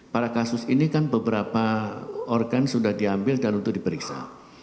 pada kasus ini kan beberapa organ sudah diambil dan untuk diperiksa